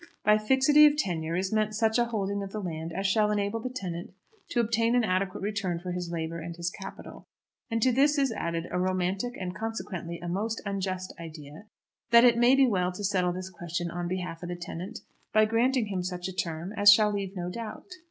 By fixity of tenure is meant such a holding of the land as shall enable the tenant to obtain an adequate return for his labour and his capital, and to this is added a romantic and consequently a most unjust idea that it may be well to settle this question on behalf of the tenant by granting him such a term as shall leave no doubt.